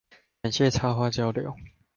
感謝插花交流